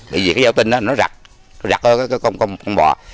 bởi vì cái giao tinh nó rặt rặt không bỏ